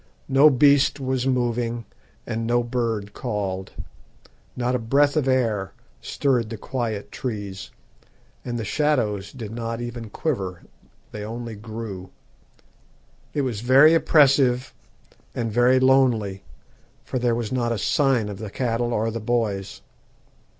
No beast was moving, and no bird called. Not a breath of air stirred the quiet trees, and the shadows did not even quiver, they only grew. It was very oppressive and very lonely, for there was not a sign of the cattle or the boys.